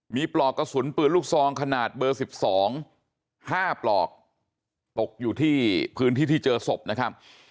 มีปลอกกระสุนปืนลูกซองขนาดเบอร์๑๒๕ปลอกตกอยู่ที่พื้นที่ที่เจอศพนะครับ